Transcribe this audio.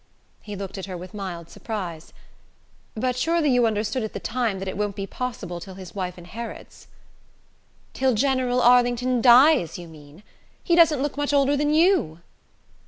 He looked at her with a mild surprise. "But surely you understood at the time that it won't be possible till his wife inherits?" "Till General Arlington dies, you mean? He doesn't look much older than you!"